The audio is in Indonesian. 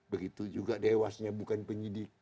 begitu juga dewasnya bukan penyidik